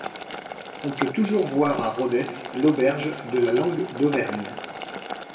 On peut toujours voir à Rhodes l'auberge de la Langue d'Auvergne.